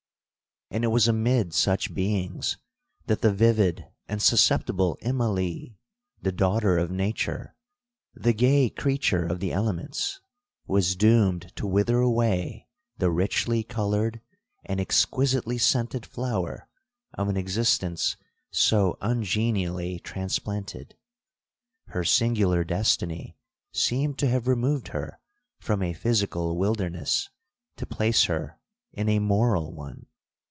'And it was amid such beings that the vivid and susceptible Immalee, the daughter of nature, 'the gay creature of the elements,' was doomed to wither away the richly coloured and exquisitely scented flower of an existence so ungenially transplanted. Her singular destiny seemed to have removed her from a physical wilderness, to place her in a moral one.